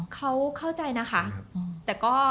เขาเข้าใจนะคะแต่ก็